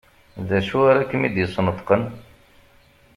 D acu ara kem-id-yesneṭqen?